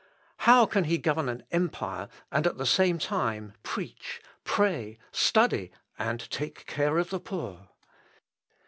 How can he govern an empire, and at the same time preach, pray, study, and take care of the poor?